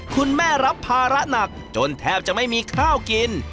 รับภาระหนักจนแทบจะไม่มีข้าวกิน